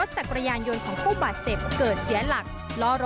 เท่านั้นก็เป็นคำว่ารภาพที่หลักเนื้อ